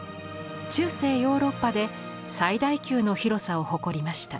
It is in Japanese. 中世ヨーロッパで最大級の広さを誇りました。